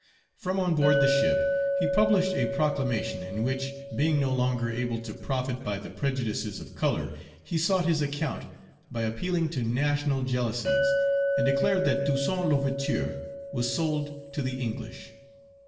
From on board the ship he published a proclamation, in which, being no longer able to profit by the prejudices of color, he sought his account by appealing to national jealousies, and declared that Toussaint L'Ouverture was sold to the English.